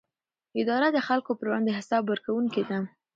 اداره د خلکو پر وړاندې حساب ورکوونکې ده.